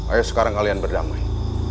ayo sekarang kalian berdamai